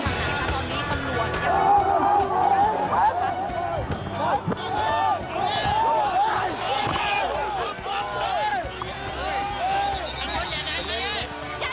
เราก็หันว่าจะลำไปทำไม